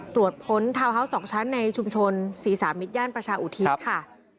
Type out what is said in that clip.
ตรวจค้นทาวน์ฮาวส์๒ชั้นในชุมชนศรีสามิตรย่านประชาอุทิศค่ะ